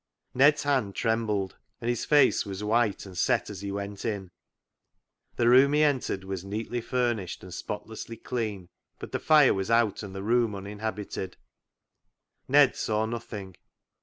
Ned's hand trembled, and his face was white and set as he went in. The room he entered was neatly furnished and spotlessly clean, but the fire was out and the room uninhabited. Ned saw nothing.